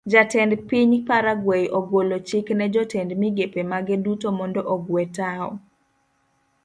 Jatend piny paraguay ogolo chik ne jotend migepe mage duto mondo ogue tao.